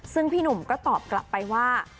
ซึ่งพี่หนุ่มก็ตอบกลับไปว่า